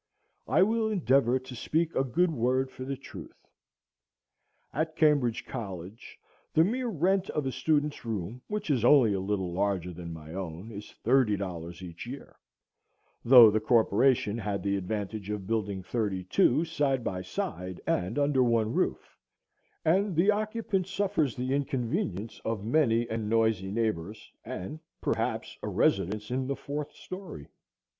I will endeavor to speak a good word for the truth. At Cambridge College the mere rent of a student's room, which is only a little larger than my own, is thirty dollars each year, though the corporation had the advantage of building thirty two side by side and under one roof, and the occupant suffers the inconvenience of many and noisy neighbors, and perhaps a residence in the fourth story.